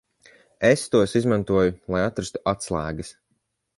Es tos izmantoju, lai atrastu atslēgas.